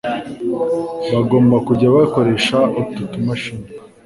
bagomba kujya bakoresha utu tumashini